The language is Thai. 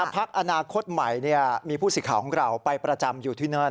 พักอนาคตใหม่มีผู้สิทธิ์ของเราไปประจำอยู่ที่นั่น